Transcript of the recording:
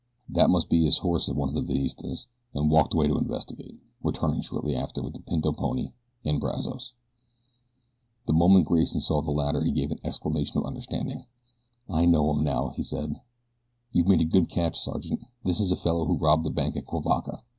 "That must be his horse," said one of the Villistas, and walked away to investigate, returning shortly after with the pinto pony and Brazos. The moment Grayson saw the latter he gave an exclamation of understanding. "I know him now," he said. "You've made a good catch, Sergeant. This is the fellow who robbed the bank at Cuivaca.